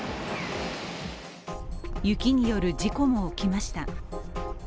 雪による事故も起きました。